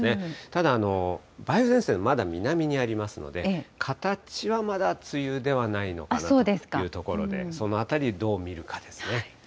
ただ、梅雨前線、まだ南にありますので、形はまだ梅雨ではないのかなというところで、そのあたり、どう見るかですね。